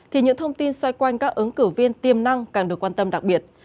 thì những thông tin xoay quanh các ứng cử viên tiềm năng càng được quan tâm đặc biệt